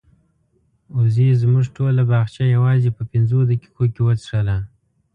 وزې زموږ ټوله باغچه یوازې په پنځو دقیقو کې وڅښله.